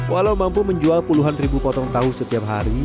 walau mampu menjual puluhan ribu potong tahu setiap hari